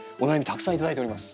たくさん頂いております。